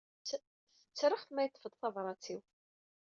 Ttreɣ-t ma yeṭṭef-d tabṛat-iw.